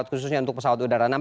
khususnya untuk pesawat udara